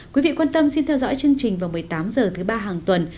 quý vị quan tâm xin theo dõi chương trình vào một mươi tám h thứ ba hàng tuần